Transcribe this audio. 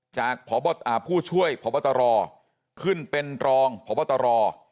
จากผู้ช่วยพบตรขึ้นเป็นรองพบตร